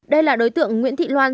đây là đối tượng nguyễn thị loan